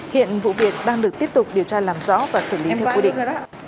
hiện vụ việc đang được tiếp tục điều tra làm rõ và xử lý theo quy định